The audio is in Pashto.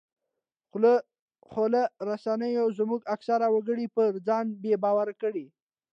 خواله رسنیو زموږ اکثره وګړي پر ځان بې باوره کړي